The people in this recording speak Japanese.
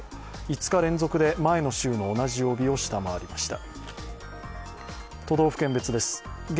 ５日連続で前の週の同じ曜日を下回りました。